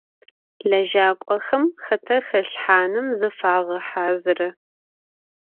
Lejak'oxem xete xelhhanım zıfağehazırı.